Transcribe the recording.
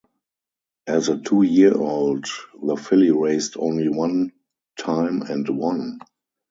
As a two-year-old, the filly raced only one time and won.